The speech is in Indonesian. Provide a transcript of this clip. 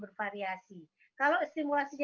bervariasi kalau stimulasi